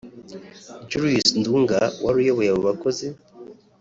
Julius Ndunga wari uyoboye aba bakozi